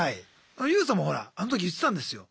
ＹＯＵさんもほらあの時言ってたんですよ。